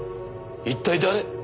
一体誰。